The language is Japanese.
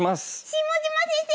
下島先生